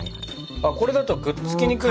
あこれだとくっつきにくい。